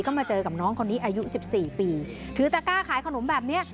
ก็มาเจอกับน้องคนนี้อายุสิบสี่ปีถือตะก้าขายขนมแบบเนี้ย